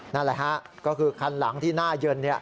นั่นแหละฮะก็คือคันหลังที่หน้าเย็น